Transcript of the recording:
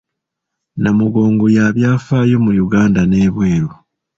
Namugongo ya byafaayo mu Yuganda n’ebweru.